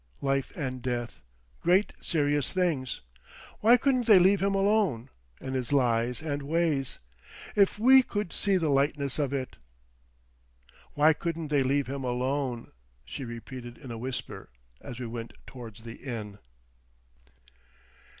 Life and Death—great serious things—why couldn't they leave him alone, and his lies and ways? If we could see the lightness of it— "Why couldn't they leave him alone?" she repeated in a whisper as we went towards the inn.